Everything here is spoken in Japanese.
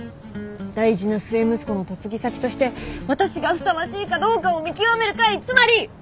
大事な末息子の嫁ぎ先として私がふさわしいかどうかを見極める会つまり！